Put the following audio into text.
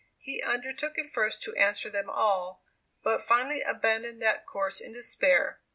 He undertook at first to answer them all, but finally abandoned that course in despair.